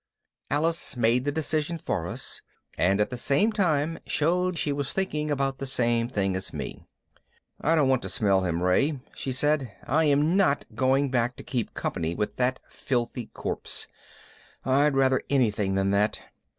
_ Alice made the decision for us and at the same time showed she was thinking about the same thing as me. "I don't want to have to smell him, Ray," she said. "I am not going back to keep company with that filthy corpse. I'd rather anything than that."